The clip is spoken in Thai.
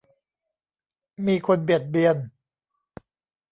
มีคนเบียดเบียน